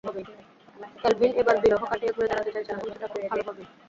Kelvin এবার বিরহ কাটিয়ে ঘুরে দাঁড়াতে চাইছেন এবং সেটা খুব ভালোভাবেই।